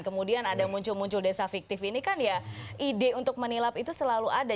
kemudian ada muncul muncul desa fiktif ini kan ya ide untuk menilap itu selalu ada